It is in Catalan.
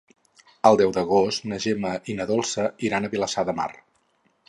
El deu d'agost na Gemma i na Dolça iran a Vilassar de Mar.